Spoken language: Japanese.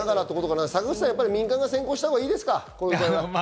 坂口さん、民間が先行したほうがいいですか？